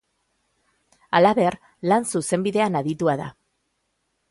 Halaber, lan zuzenbidean aditua da.